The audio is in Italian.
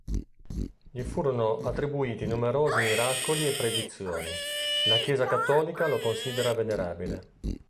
Gli furono attribuiti numerosi miracoli e predizioni: la Chiesa cattolica lo considera venerabile.